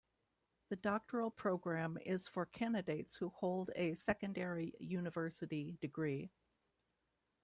The doctoral program is for candidates who hold a secondary university degree.